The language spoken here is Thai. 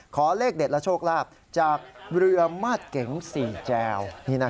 เลขเด็ดและโชคลาภจากเรือมาดเก๋ง๔แจว